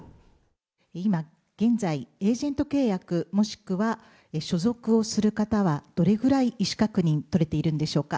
今現在、エージェント契約、もしくは所属をする方は、どれぐらい意思確認、取れているんでしょうか。